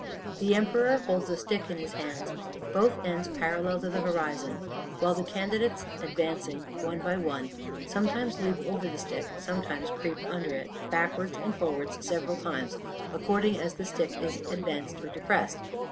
The emperor holds a stick in his hands, both ends parallel to the horizon, while the candidates advancing, one by one, sometimes leap over the stick, sometimes creep under it backwards and forwards several times, according as the stick is advanced or depressed.